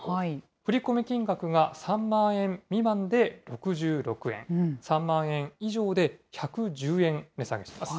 振り込み金額が３万円未満で６６円、３万円以上で１１０円値下げします。